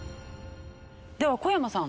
では小山さん。